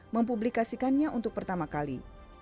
mempublikasikannya untuk pertama kali